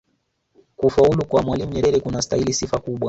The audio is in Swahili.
kufalu kwa mwalimu nyerere kunastahili sifa kubwa